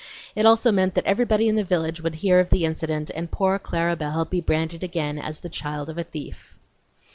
It also meant that everybody in the village would hear of the incident and poor Clara Belle be branded again as the child of a thief.